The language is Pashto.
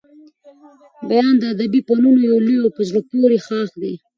بیان د ادبي فنونو يو لوی او په زړه پوري ښاخ دئ.